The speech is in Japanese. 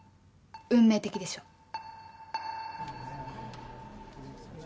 運命的でしょ？